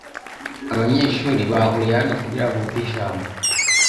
Abanyeshuri bahuriye hano kugirango bumve ijambo